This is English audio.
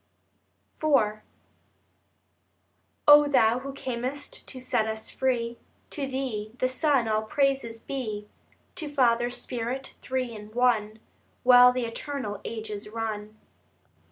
IV O Thou who cam'st to set us free, To Thee, the Son, all praises be; To Father, Spirit, Three in One, While the eternal ages run.